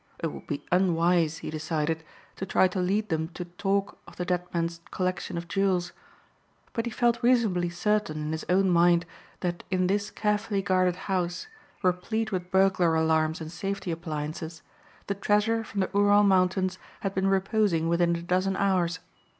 It would be unwise, he decided, to try to lead them to talk of the dead man's collection of jewels. But he felt reasonably certain in his own mind that in this carefully guarded house, replete with burglar alarms and safety appliances, the treasure from the Ural Mountains had been reposing within a dozen hours.